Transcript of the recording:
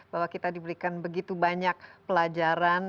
bahwa kita diberikan begitu banyak pelajaran